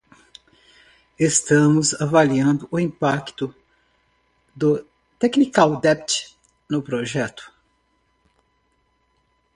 Estamos avaliando o impacto do technical debt no projeto.